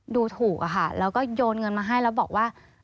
ดูถูกอะค่ะแล้วก็โยนเงินมาให้แล้วบอกว่า